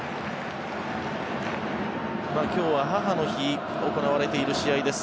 今日は母の日行われている試合です。